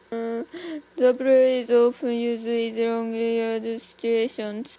The play is often used in long yardage situations.